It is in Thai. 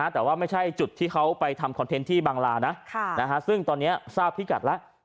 แต่ว่าไม่ใช่จุดที่เขาไปทำคอนเทนต์ที่บางลานะซึ่งตอนนี้ทราบพิกัดแล้ว